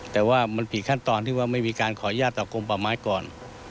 แต่ว่ามันผิดขั้นตอนที่ว่าไม่มีการขออนุญาตต่อกลมป่าไม้ก่อน